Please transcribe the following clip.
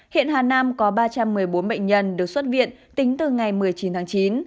hiện hà nam có ba trăm một mươi bốn bệnh nhân được xuất viện tính từ ngày một mươi chín tháng chín